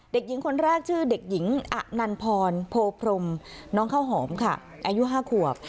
เด็กหญิงคนแรกชื่อเด็กหญิงอนันพรโพพรมน้องข้าวหอมค่ะอายุ๕ขวบ